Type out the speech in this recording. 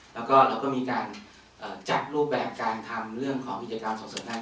และเราก็มีการจัดรูปแบบทำพี่จะกลาดสดเสริมทาง